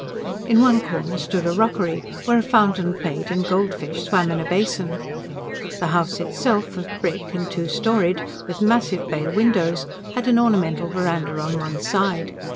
In one corner stood a rockery, where a fountain played and goldfish swam in a basin. The house itself, of brick and two storeyed, with massive bay windows, had an ornamental verandah on one side.